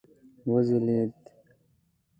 وځلیدل